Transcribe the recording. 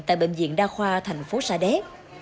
tại bệnh viện đa khoa thành phố sa đét